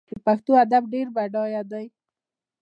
د پښتو ادب ډېر بډایه دی.